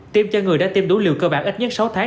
tiêm cho người đã tiêm đủ liều cơ bản ít nhất sáu tháng